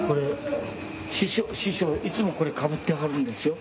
師匠いつもこれかぶってはるんですよ。